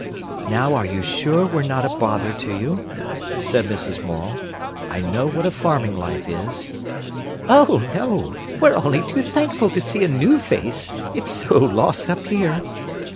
"Now are you sure we're not a bother to you?" said Mrs. Morel. "I know what a farming life is." "Oh no! We're only too thankful to see a new face, it's so lost up here."